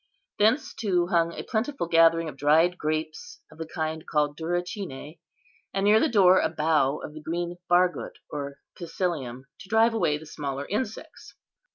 Thence, too, hung a plentiful gathering of dried grapes, of the kind called duracinæ; and near the door a bough of the green bargut or psyllium, to drive away the smaller insects.